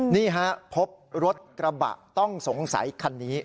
นี่ฮะพบรถกระบะต้องสงสัยคันนี้